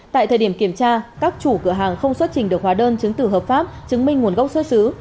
tại thời điểm kiểm tra các chủ cửa hàng không xuất trình được hóa đơn chứng tử hợp pháp chứng minh nguồn gốc xuất xứ